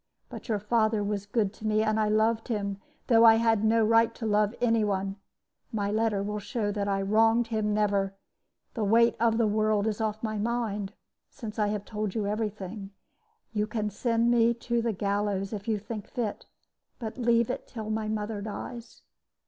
But your father was good to me, and I loved him, though I had no right to love any one. My letter will show that I wronged him never. The weight of the world is off my mind since I have told you every thing; you can send me to the gallows, if you think fit, but leave it till my mother dies.